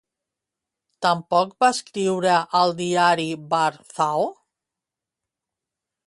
Tampoc va escriure al diari "War Zao".